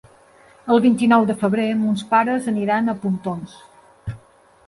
El vint-i-nou de febrer mons pares aniran a Pontons.